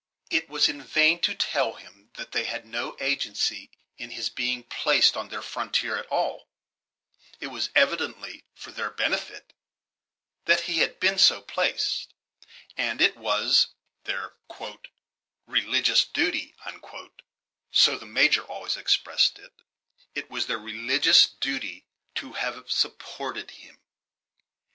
It was in vain to tell him that they had no agency in his being placed on their frontier at all; it was evidently for their benefit that he had been so placed, and it was their "religious duty," so the Major always expressed it, "it was their religions duty to have supported him."